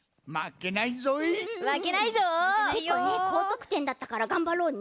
けっこうねこうとくてんだったからがんばろうね。